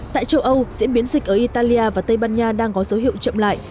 tại châu âu diễn biến dịch ở italia và tây ban nha đang có dấu hiệu chậm lại